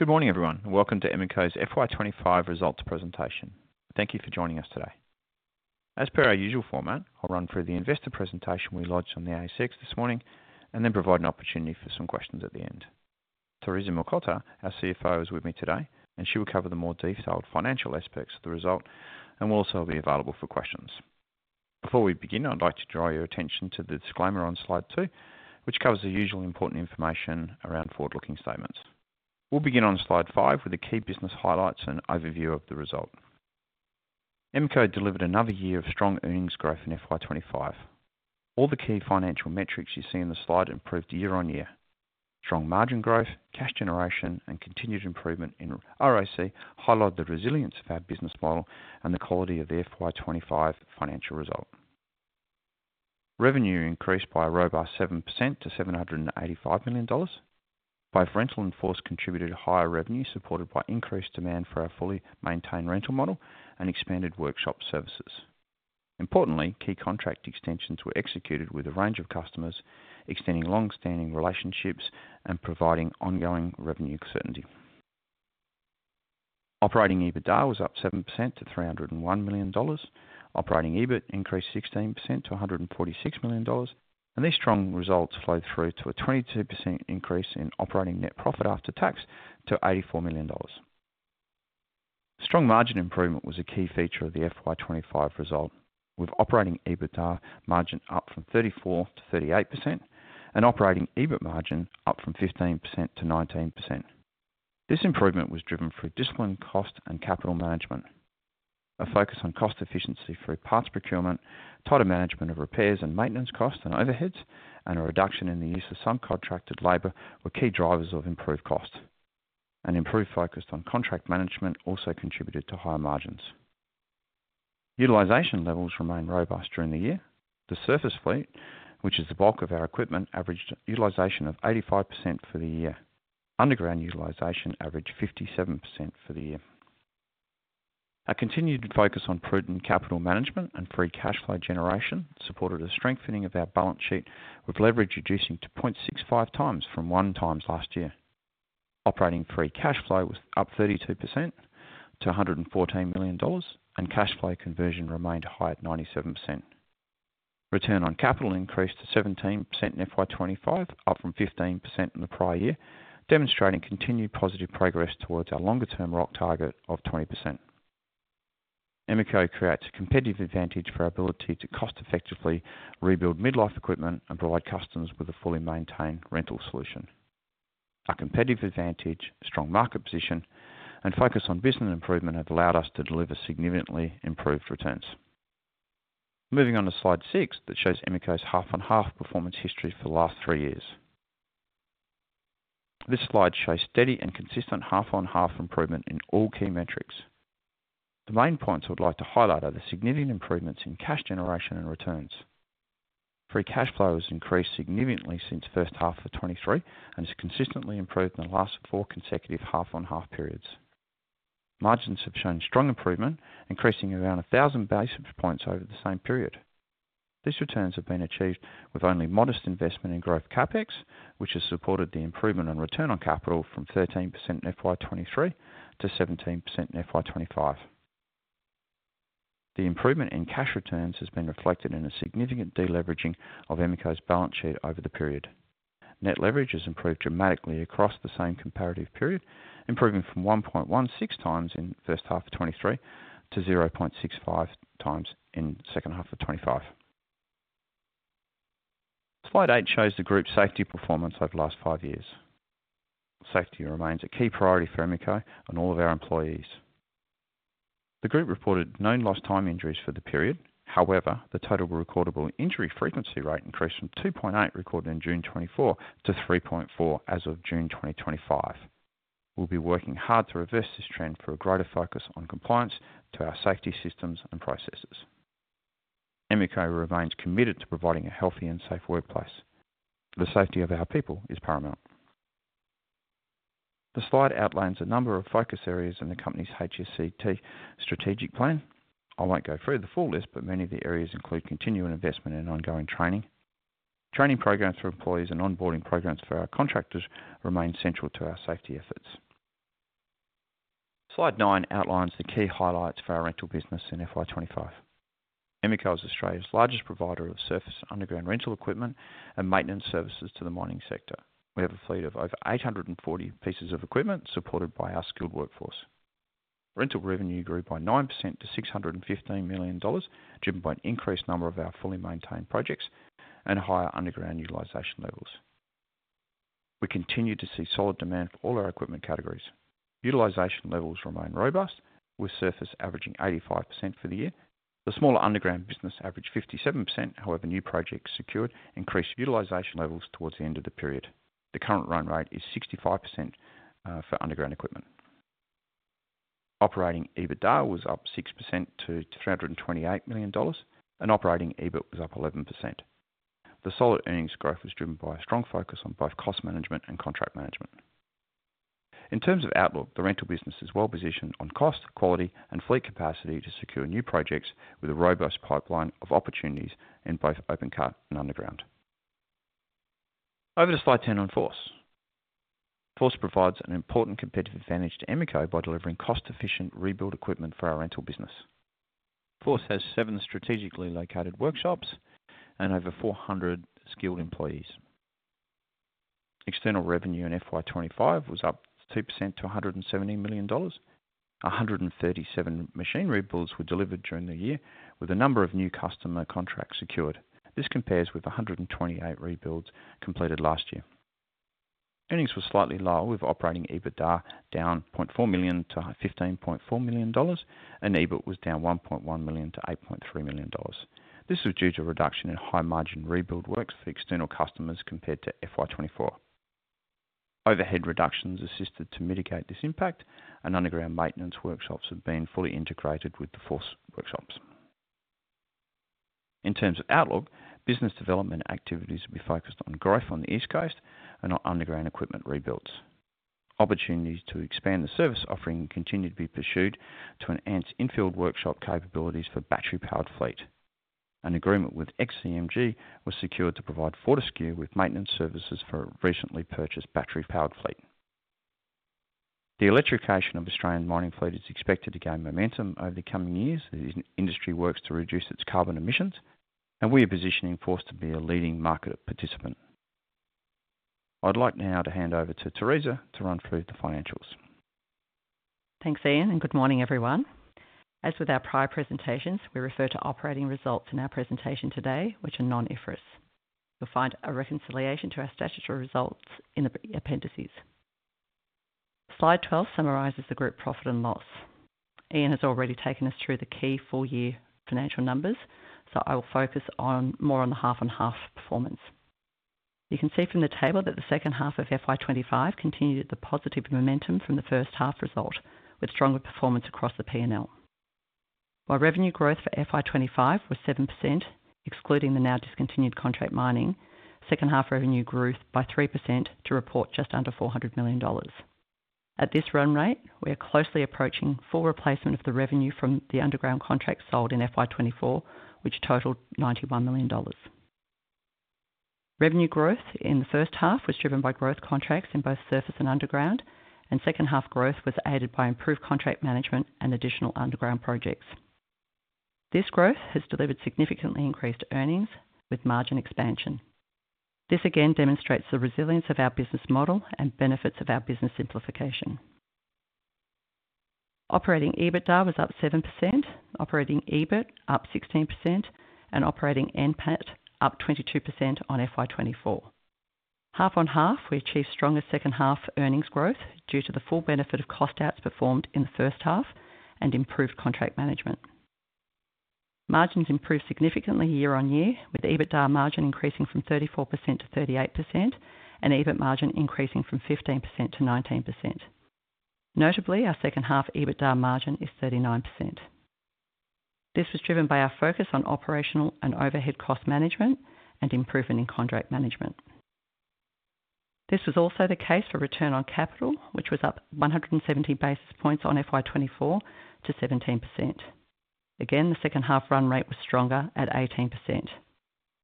Good morning, everyone, and welcome to Emeco's 2025 Results Presentation. Thank you for joining us today. As per our usual format, I'll run through the investor presentation we launched on the ASX this morning and then provide an opportunity for some questions at the end. Theresa Mlikota, our CFO, is with me today, and she will cover the more detailed financial aspects of the result and will also be available for questions. Before we begin, I'd like to draw your attention to the disclaimer on slide two, which covers the usual important information around forward-looking statements. We'll begin on slide five with the key business highlights and overview of the result. Emeco delivered another year of strong earnings growth in FY 2025. All the key financial metrics you see in the slide improved year on year: strong margin growth, cash generation, and continued improvement in ROC. Highlight the resilience of our business model and the quality of the FY 2025 financial result. Revenue increased by a robust 7% to $785 million. Both rental and Force contributed higher revenue, supported by increased demand for our fully maintained rental model and expanded workshop services. Importantly, key contract extensions were executed with a range of customers, extending long-standing relationships and providing ongoing revenue certainty. Operating EBITDA was up 7% to $301 million. Operating EBIT increased 16% to $146 million, and these strong results flowed through to a 22% increase in operating net profit after tax to $84 million. Strong margin improvement was a key feature of the FY 2025 result, with operating EBITDA margin up from 34%-38% and operating EBIT margin up from 15%-19%. This improvement was driven through discipline, cost, and capital management. A focus on cost efficiency through parts procurement, tighter management of repairs and maintenance costs and overheads, and a reduction in the use of subcontracted labor were key drivers of improved costs. An improved focus on contract management also contributed to higher margins. Utilisation levels remained robust during the year. The surface fleet, which is the bulk of our equipment, averaged utilisation of 85% for the year. Underground utilisation averaged 57% for the year. A continued focus on prudent capital management and free cash flow generation supported a strengthening of our balance sheet, with leverage reducing to 0.65x from 1x last year. Operating free cash flow was up 32% to $114 million, and cash flow conversion remained high at 97%. Return on capital increased to 17% in FY 2025, up from 15% in the prior year, demonstrating continued positive progress towards our longer-term ROC target of 20%. Emeco creates a competitive advantage for our ability to cost-effectively rebuild midlife equipment and provide customers with a fully maintained rental solution. Our competitive advantage, strong market position, and focus on business improvement have allowed us to deliver significantly improved returns. Moving on to slide six that shows Emeco's half-on-half performance history for the last three years. This slide shows steady and consistent half-on-half improvement in all key metrics. The main points I would like to highlight are the significant improvements in cash generation and returns. Free cash flow has increased significantly since first half of 2023 and has consistently improved in the last four consecutive half-on-half periods. Margins have shown strong improvement, increasing around 1,000 basis points over the same period. These returns have been achieved with only modest investment in growth CapEx, which has supported the improvement in return on capital from 13% in FY 2023 to 17% in FY 2025. The improvement in cash returns has been reflected in a significant deleveraging of Emeco's balance sheet over the period. Net leverage has improved dramatically across the same comparative period, improving from 1.16x in first half of 2023 to 0.65x in second half of 2025. Slide eight shows the group's safety performance over the last five years. Safety remains a key priority for Emeco and all of our employees. The group reported no lost-time injuries for the period. However, the total recordable injury frequency rate increased from 2.8 recorded in June 2024 to 3.4 as of June 2025. We'll be working hard to reverse this trend for a greater focus on compliance to our safety systems and processes. Emeco remains committed to providing a healthy and safe workplace. The safety of our people is paramount. The slide outlines a number of focus areas in the company's HSET Strategic Plan. I won't go through the full list, but many of the areas include continuing investment in ongoing training, training programs for employees, and onboarding programs for our contractors remain central to our safety efforts. Slide nine outlines the key highlights for our rental business in FY 2025. Emeco is Australia's largest provider of surface and underground rental equipment and maintenance services to the mining sector. We have a fleet of over 840 pieces of equipment supported by our skilled workforce. Rental revenue grew by 9% to $615 million, driven by an increased number of our fully maintained projects and higher underground utilisation levels. We continue to see solid demand for all our equipment categories. Utilisation levels remain robust, with surface averaging 85% for the year. The smaller underground business averaged 57%. However, new projects secured increased utilisation levels towards the end of the period. The current run rate is 65% for underground equipment. Operating EBITDA was up 6% to $328 million, and operating EBIT was up 11%. The solid earnings growth was driven by a strong focus on both cost management and contract management. In terms of outlook, the rental business is well-positioned on cost, quality, and fleet capacity to secure new projects with a robust pipeline of opportunities in both open-cut and underground. Over to slide 10 on Force. Force provides an important competitive advantage to Emeco by delivering cost-efficient rebuild equipment for our rental business. Force has seven strategically located workshops and over 400 skilled employees. External revenue in FY 2025 was up 2% to $170 million. 137 machine rebuilds were delivered during the year, with a number of new customer contracts secured. This compares with 128 rebuilds completed last year. Earnings were slightly lower, with operating EBITDA down $0.4 million-$15.4 million, and EBIT was down $1.1 million-$8.3 million. This was due to a reduction in high margin rebuild works for external customers compared to FY 2024. Overhead reductions assisted to mitigate this impact, and underground maintenance workshops have been fully integrated with the Force workshops. In terms of outlook, business development activities will be focused on growth on the East Coast and on underground equipment rebuilds. Opportunities to expand the service offering continue to be pursued to enhance infield workshop capabilities for a battery-powered fleet. An agreement with XCMG was secured to provide Fortescue with maintenance services for a recently purchased battery-powered fleet. The electrification of Australian mining fleet is expected to gain momentum over the coming years. The industry works to reduce its carbon emissions, and we are positioning Force to be a leading market participant. I'd like now to hand over to Theresa to run through the financials. Thanks, Ian, and good morning, everyone. As with our prior presentations, we refer to operating results in our presentation today, which are non-IFRS. You'll find a reconciliation to our statutory results in the appendices. Slide 12 summarizes the group profit and loss. Ian has already taken us through the key full-year financial numbers, so I will focus more on the half-on-half performance. You can see from the table that the second half of FY 2025 continued the positive momentum from the first half result, with stronger performance across the P&L. While revenue growth for FY 2025 was 7%, excluding the now-discontinued contract mining, second half revenue grew by 3% to report just under $400 million. At this run rate, we are closely approaching full replacement of the revenue from the underground contracts sold in FY 2024, which totaled $91 million. Revenue growth in the first half was driven by growth contracts in both surface and underground, and second half growth was aided by improved contract management and additional underground projects. This growth has delivered significantly increased earnings with margin expansion. This again demonstrates the resilience of our business model and benefits of our business simplification. Operating EBITDA was up 7%, operating EBIT up 16%, and operating NPAT up 22% on FY 2024. Half-on-half, we achieved stronger second-half earnings growth due to the full benefit of cost outs performed in the first half and improved contract management. Margins improved significantly year on year, with EBITDA margin increasing from 34%-38% and EBIT margin increasing from 15%-19%. Notably, our second-half EBITDA margin is 39%. This was driven by our focus on operational and overhead cost management and improvement in contract management. This was also the case for return on capital, which was up 170 basis points on FY 2024 to 17%. Again, the second half run rate was stronger at 18%.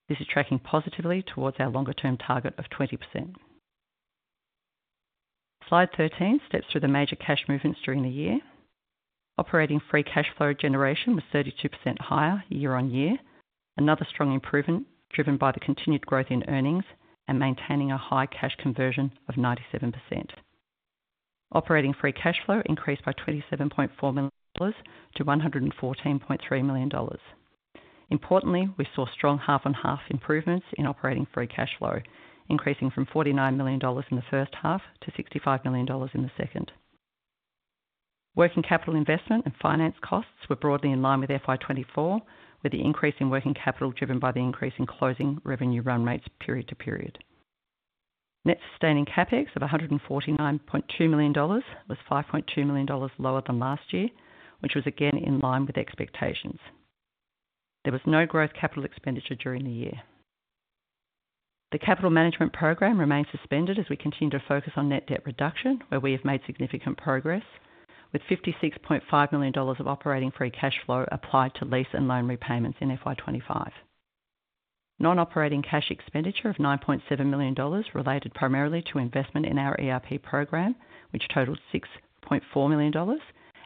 This is tracking positively towards our longer-term target of 20%. Slide 13 steps through the major cash movements during the year. Operating free cash flow generation was 32% higher year on year, another strong improvement driven by the continued growth in earnings and maintaining a high cash conversion of 97%. Operating free cash flow increased by $27.4 million-$114.3 million. Importantly, we saw strong half-on-half improvements in operating free cash flow, increasing from $49 million in the first half to $65 million in the second. Working capital investment and finance costs were broadly in line with FY 2024, with the increase in working capital driven by the increase in closing revenue run rates period to period. Net sustaining CapEx of $149.2 million was $5.2 million lower than last year, which was again in line with expectations. There was no growth capital expenditure during the year. The capital management program remains suspended as we continue to focus on net debt reduction, where we have made significant progress with $56.5 million of operating free cash flow applied to lease and loan repayments in FY 2025. Non-operating cash expenditure of $9.7 million related primarily to investment in our ERP program, which totaled $6.4 million,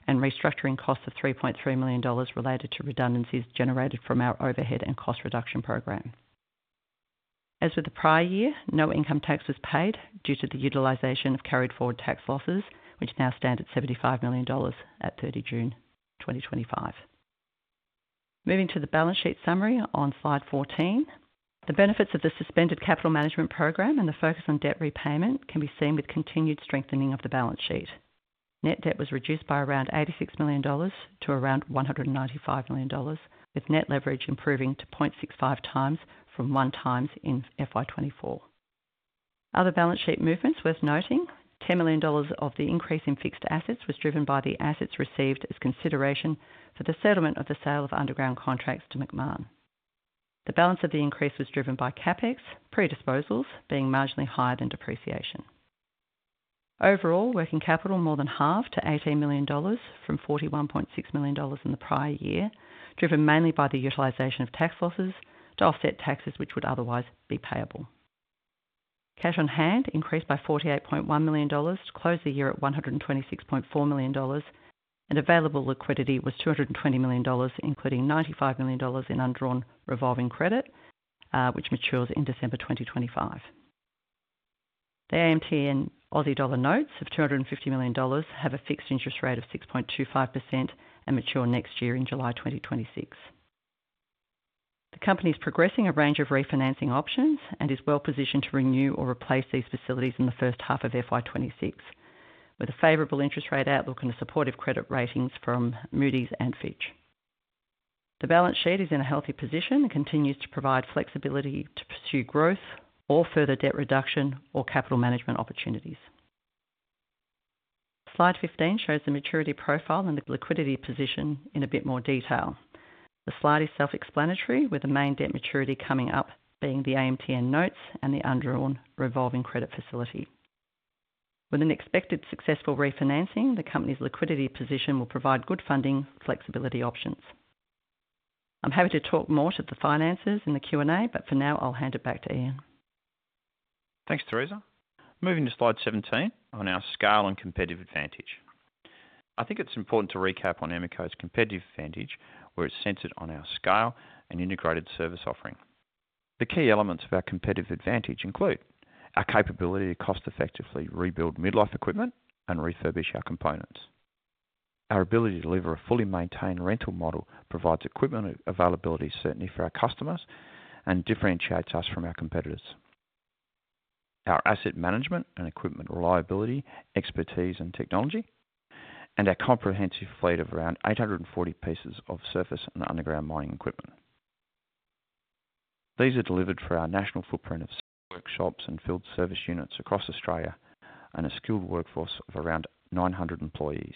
and restructuring costs of $3.3 million related to redundancies generated from our overhead and cost reduction program. As with the prior year, no income tax was paid due to the utilization of carried forward tax losses, which now stand at $75 million at 30 June 2025. Moving to the balance sheet summary on slide 14, the benefits of the suspended capital management program and the focus on debt repayment can be seen with continued strengthening of the balance sheet. Net debt was reduced by around $86 million to around $195 million, with net leverage improving to 0.65x from 1x in FY 2024. Other balance sheet movements worth noting: $10 million of the increase in fixed assets was driven by the assets received as consideration for the settlement of the sale of underground contracts to Macmahon. The balance of the increase was driven by CapEx predisposals being marginally higher than depreciation. Overall, working capital more than halved to $18 million from $41.6 million in the prior year, driven mainly by the utilization of tax losses to offset taxes which would otherwise be payable. Cash on hand increased by $48.1 million to close the year at $126.4 million, and available liquidity was $220 million, including $95 million in undrawn revolving credit, which matures in December 2025. The AMTN Aussie Dollar Notes of $250 million have a fixed interest rate of 6.25% and mature next year in July 2026. The company is progressing a range of refinancing options and is well positioned to renew or replace these facilities in the first half of FY 2026, with a favorable interest rate outlook and supportive credit ratings from Moody's and Fitch. The balance sheet is in a healthy position and continues to provide flexibility to pursue growth or further debt reduction or capital management opportunities. Slide 15 shows the maturity profile and the liquidity position in a bit more detail. The slide is self-explanatory, with the main debt maturity coming up being the AMTN Notes and the undrawn revolving credit facility. With an expected successful refinancing, the company's liquidity position will provide good funding and flexibility options. I'm happy to talk more to the finances in the Q&A, but for now I'll hand it back to Ian. Thanks, Theresa. Moving to slide 17 on our scale and competitive advantage. I think it's important to recap on Emeco's competitive advantage, where it's centered on our scale and integrated service offering. The key elements of our competitive advantage include our capability to cost-effectively rebuild midlife equipment and refurbish our components. Our ability to deliver a fully maintained rental model provides equipment availability certainty for our customers and differentiates us from our competitors. Our asset management and equipment reliability, expertise, and technology, and our comprehensive fleet of around 840 pieces of surface and underground mining equipment. These are delivered for our national footprint of workshops and field service units across Australia and a skilled workforce of around 900 employees.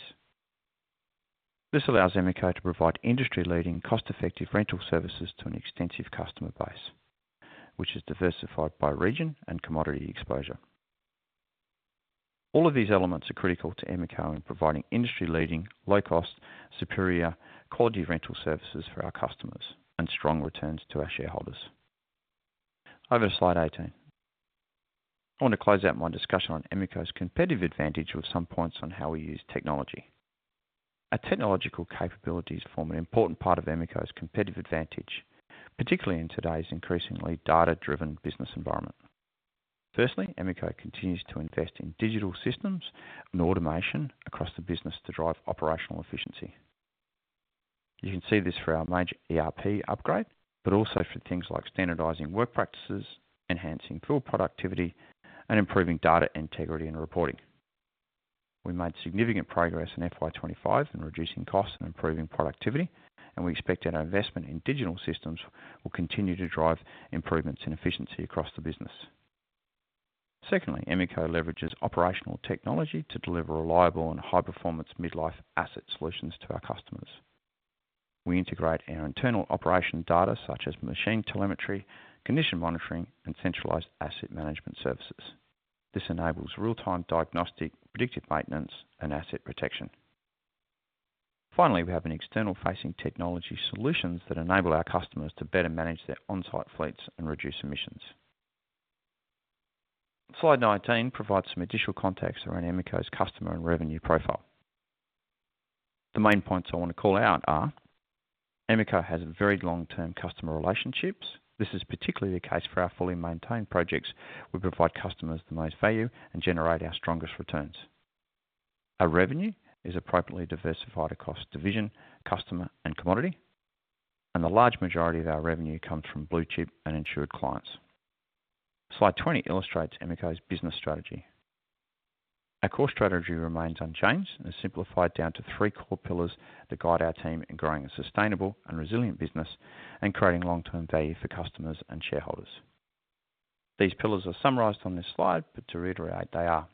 This allows Emeco to provide industry-leading cost-effective rental services to an extensive customer base, which is diversified by region and commodity exposure. All of these elements are critical to Emeco in providing industry-leading, low-cost, superior quality rental services for our customers and strong returns to our shareholders. Over to slide 18. I want to close out my discussion on Emeco's competitive advantage with some points on how we use technology. Our technological capabilities form an important part of Emeco's competitive advantage, particularly in today's increasingly data-driven business environment. Firstly, Emeco continues to invest in digital systems and automation across the business to drive operational efficiency. You can see this for our major ERP upgrade, but also for things like standardizing work practices, enhancing pool productivity, and improving data integrity and reporting. We made significant progress in FY 2025 in reducing costs and improving productivity, and we expect our investment in digital systems will continue to drive improvements in efficiency across the business. Secondly, Emeco leverages operational technology to deliver reliable and high-performance midlife asset solutions to our customers. We integrate our internal operation data, such as machine telemetry, condition monitoring, and centralized asset management services. This enables real-time diagnostic, predictive maintenance, and asset protection. Finally, we have an external-facing technology solutions that enable our customers to better manage their onsite fleets and reduce emissions. Slide 19 provides some additional context around Emeco's customer and revenue profile. The main points I want to call out are: Emeco has very long-term customer relationships. This is particularly the case for our fully maintained projects, which provide customers the most value and generate our strongest returns. Our revenue is appropriately diversified across division, customer, and commodity, and the large majority of our revenue comes from blue chip and insured clients. Slide 20 illustrates Emeco's business strategy. Our core strategy remains unchanged and is simplified down to three core pillars that guide our team in growing a sustainable and resilient business and creating long-term value for customers and shareholders. These pillars are summarized on this slide, but to reiterate, they are: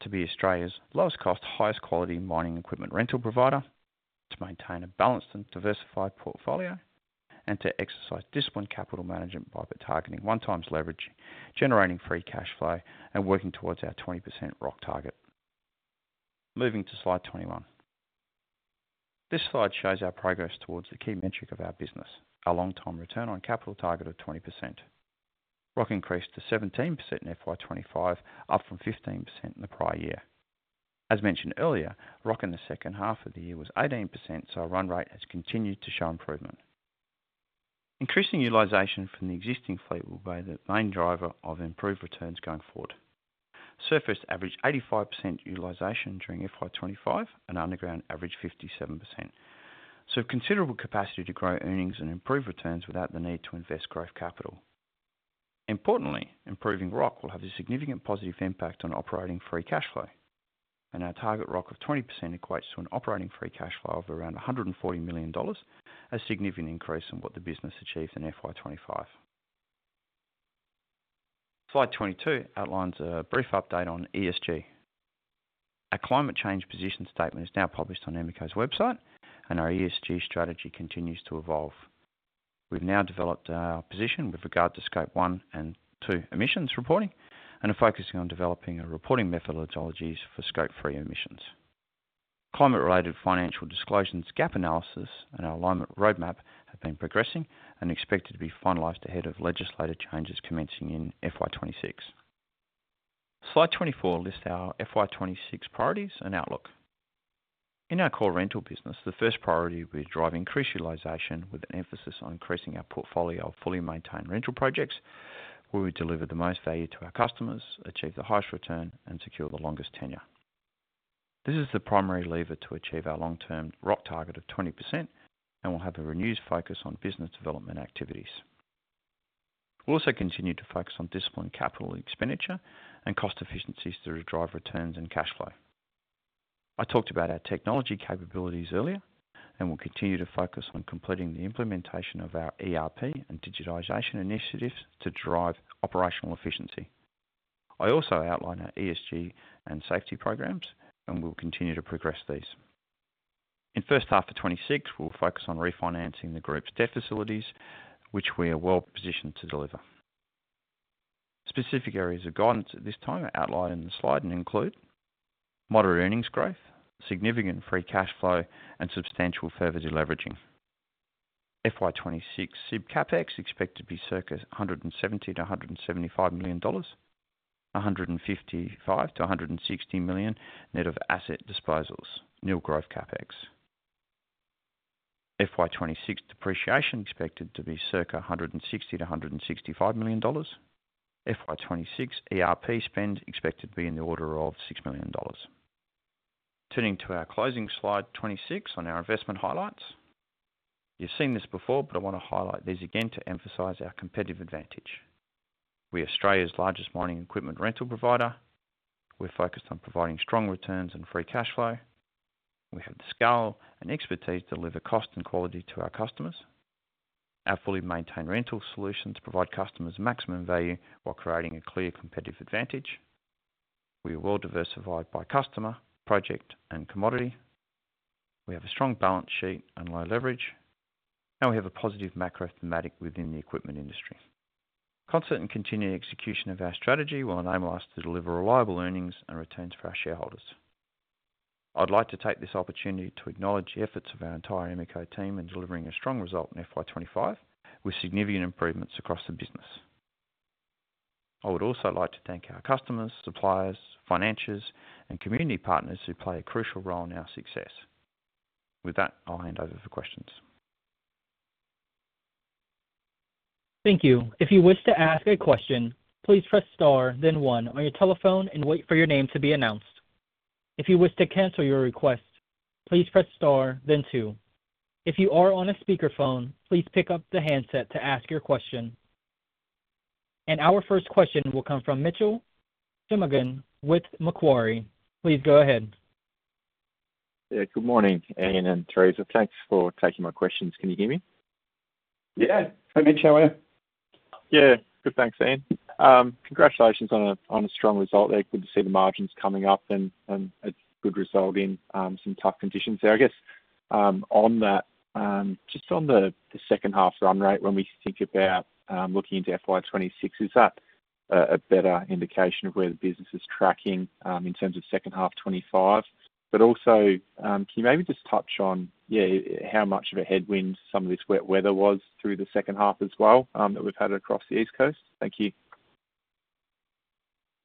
to be Australia's lowest cost, highest quality mining equipment rental provider, to maintain a balanced and diversified portfolio, and to exercise disciplined capital management by targeting one-time leverage, generating free cash flow, and working towards our 20% ROC target. Moving to slide 21. This slide shows our progress towards the key metric of our business, our long-term return on capital target of 20%. ROC increased to 17% in FY 2025, up from 15% in the prior year. As mentioned earlier, ROC in the second half of the year was 18%, so our run rate has continued to show improvement. Increasing utilisation from the existing fleet will be the main driver of improved returns going forward. Surface averaged 85% utilisation during FY 2025 and underground averaged 57%, so we have considerable capacity to grow earnings and improve returns without the need to invest growth capital. Importantly, improving ROC will have a significant positive impact on operating free cash flow, and our target ROC of 20% equates to an operating free cash flow of around $140 million, a significant increase from what the business achieved in FY 2025. Slide 22 outlines a brief update on ESG. Our climate change position statement is now published on Emeco's website, and our ESG strategy continues to evolve. We've now developed our position with regard to Scope 1 and 2 emissions reporting and are focusing on developing our reporting methodologies for Scope 3 emissions. Climate-related financial disclosures gap analysis and our alignment roadmap have been progressing and are expected to be finalized ahead of legislative changes commencing in FY 2026. Slide 24 lists our FY 2026 priorities and outlook. In our core rental business, the first priority will be to drive increased utilization with an emphasis on increasing our portfolio of fully maintained rental projects, where we deliver the most value to our customers, achieve the highest return, and secure the longest tenure. This is the primary lever to achieve our long-term ROC target of 20%, and we'll have a renewed focus on business development activities. We'll also continue to focus on disciplined capital expenditure and cost efficiencies to drive returns and cash flow. I talked about our technology capabilities earlier, and we'll continue to focus on completing the implementation of our ERP and digitization initiatives to drive operational efficiency. I also outlined our ESG and safety programs, and we'll continue to progress these. In the first half of 2026, we'll focus on refinancing the group's debt facilities, which we are well positioned to deliver. Specific areas of guidance at this time are outlined in the slide and include moderate earnings growth, significant free cash flow, and substantial further deleveraging. FY 2026 SIB CapEx expected to be circa $170 million-$175 million, $155 million-$160 million net of asset disposals, nil growth CapEx. FY 2026 depreciation expected to be circa $160 million-$165 million. FY 2026 ERP spend expected to be in the order of $6 million. Turning to our closing slide 26 on our investment highlights. You've seen this before, but I want to highlight these again to emphasize our competitive advantage. We are Australia's largest mining equipment rental provider. We're focused on providing strong returns and free cash flow. We have the scale and expertise to deliver cost and quality to our customers. Our fully maintained rental solutions provide customers maximum value while creating a clear competitive advantage. We are well diversified by customer, project, and commodity. We have a strong balance sheet and low leverage, and we have a positive macro thematic within the equipment industry. Concerted and continued execution of our strategy will enable us to deliver reliable earnings and returns for our shareholders. I'd like to take this opportunity to acknowledge the efforts of our entire Emeco team in delivering a strong result in FY 2025 with significant improvements across the business. I would also like to thank our customers, suppliers, financiers, and community partners who play a crucial role in our success. With that, I'll hand over for questions. Thank you. If you wish to ask a question, please press star, then one on your telephone and wait for your name to be announced. If you wish to cancel your request, please press star, then two. If you are on a speakerphone, please pick up the handset to ask your question. Our first question will come from Mitchell Sonogan with Macquarie. Please go ahead. Good morning, Ian and Theresa. Thanks for taking my questions. Can you hear me? Yeah. Hi Mitch, how are you? Yeah, good thanks, Ian. Congratulations on a strong result there. Good to see the margins coming up and a good result in some tough conditions, I guess. On that, just on the second half run rate, when we think about looking into FY 2026, is that a better indication of where the business is tracking in terms of second half 2025? Also, can you maybe just touch on how much of a headwind some of this wet weather was through the second half as well that we've had across the East Coast? Thank you.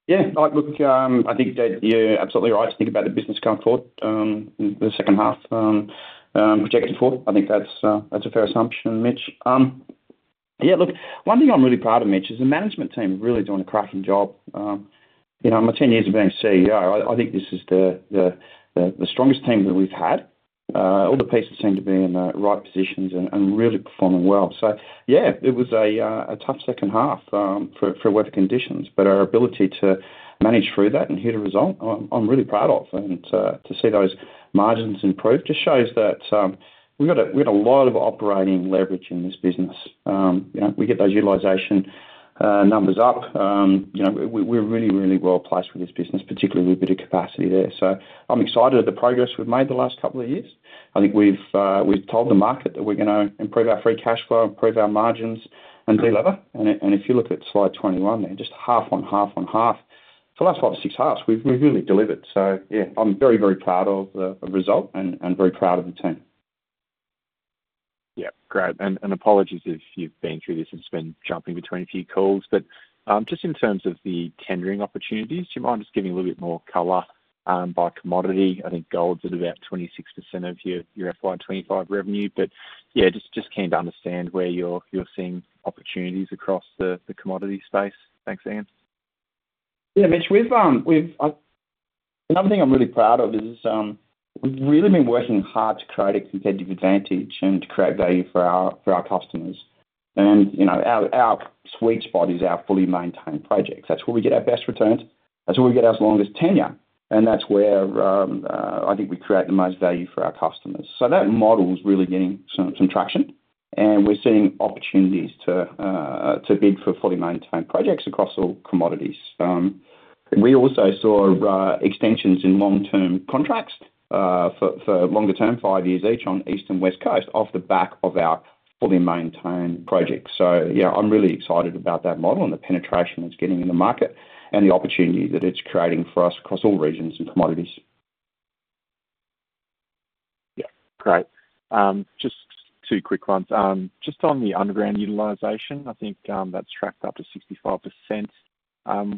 Yeah, look, I think you're absolutely right to think about the business going forward in the second half projected forward. I think that's a fair assumption, Mitch. One thing I'm really proud of, Mitch, is the management team really doing a cracking job. In my 10 years of being CEO, I think this is the strongest team that we've had. All the pieces seem to be in the right positions and really performing well. It was a tough second half for weather conditions, but our ability to manage through that and hit a result I'm really proud of and to see those margins improve just shows that we've got a lot of operating leverage in this business. We get those utilisation numbers up. We're really, really well placed with this business, particularly with a bit of capacity there. I'm excited at the progress we've made the last couple of years. I think we've told the market that we're going to improve our free cash flow, improve our margins, and deliver. If you look at slide 21 there, just half on half on half, the last five or six halves, we've really delivered. I'm very, very proud of the result and very proud of the team. Yeah, great. Apologies if you've been through this, I've been jumping between a few calls, but just in terms of the tendering opportunities, do you mind just giving a little bit more color by commodity? I think gold's at about 26% of your FY 2025 revenue, but yeah, just keen to understand where you're seeing opportunities across the commodity space. Thanks, Ian. Yeah, Mitch, another thing I'm really proud of is we've really been working hard to create a competitive advantage and to create value for our customers. You know, our sweet spot is our fully maintained projects. That's where we get our best returns, that's where we get our longest tenure, and that's where I think we create the most value for our customers. That model is really getting some traction and we're seeing opportunities to bid for fully maintained projects across all commodities. We also saw extensions in long-term contracts for longer term, five years each on East and West Coast off the back of our fully maintained projects. I'm really excited about that model and the penetration it's getting in the market and the opportunity that it's creating for us across all regions and commodities. Yeah, great. Just two quick ones. Just on the underground utilisation, I think that's tracked up to 65%.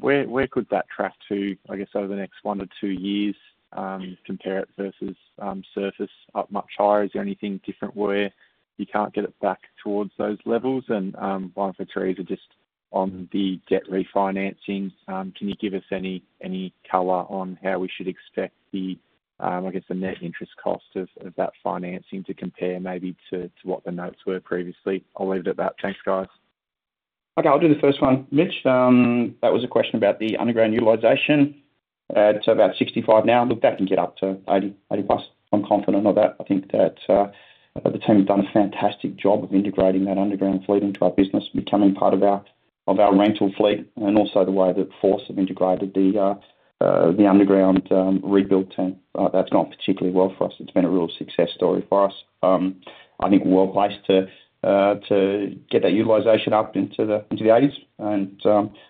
Where could that track to, I guess, over the next one to two years compared versus surface up much higher? Is there anything different where you can't get it back towards those levels? Whilst Theresa, just on the debt refinancings, can you give us any color on how we should expect the, I guess, the net interest cost of that financing to compare maybe to what the notes were previously? I'll leave it at that. Thanks, guys. Okay, I'll do the first one. Mitch, that was a question about the underground utilisation. It's about 65% now. Look, that can get up to 80%+. I'm confident of that. I think that the team have done a fantastic job of integrating that underground fleet into our business, becoming part of our rental fleet, and also the way that Force have integrated the underground rebuild team. That's gone particularly well for us. It's been a real success story for us. I think we're well placed to get that utilisation up into the 80s.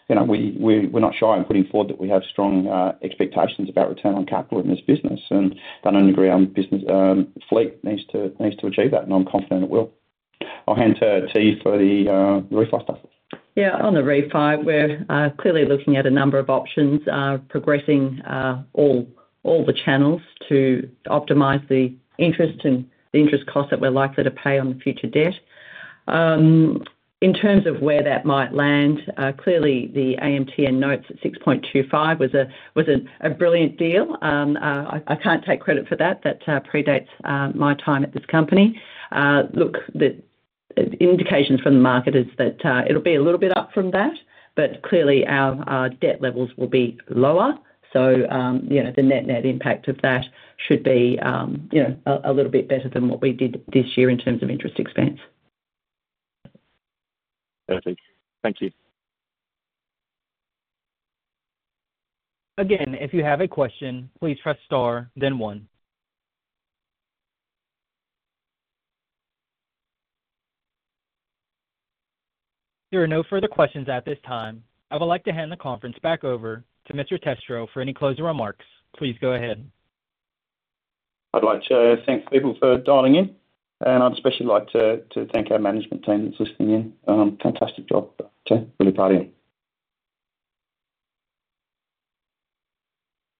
You know, we're not shy in putting forward that we have strong expectations about return on capital in this business, and that underground business fleet needs to achieve that, and I'm confident it will. I'll hand to you for the refi. Yeah, on the refi, we're clearly looking at a number of options, progressing all the channels to optimize the interest and the interest cost that we're likely to pay on the future debt. In terms of where that might land, clearly the AMTN notes at 6.25% was a brilliant deal. I can't take credit for that. That predates my time at this company. The indications from the market is that it'll be a little bit up from that, but clearly our debt levels will be lower. The net net impact of that should be a little bit better than what we did this year in terms of interest expense. Perfect. Thank you. Again, if you have a question, please press star, then one. There are no further questions at this time. I would like to hand the conference back over to Mr. Testrow for any closing remarks. Please go ahead. I'd like to thank the people for dialing in, and I'd especially like to thank our management team for listening in. Fantastic job. Really proud of you.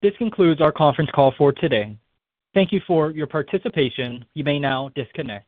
This concludes our conference call for today. Thank you for your participation. You may now disconnect.